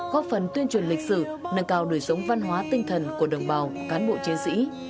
góp phần tuyên truyền lịch sử nâng cao đời sống văn hóa tinh thần của đồng bào cán bộ chiến sĩ